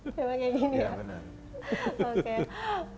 memang kayak gini ya